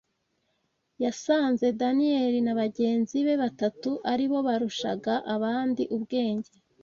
yasanze Daniyeli na bagenzi be batatu ari bo barushaga abandi ubwenge